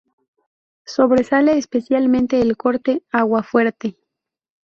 Sobresale especialmente el corte 'Aguafuerte'".